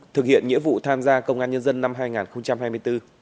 thực hiện nghĩa vụ tham gia công an nhân dân năm hai nghìn hai mươi bốn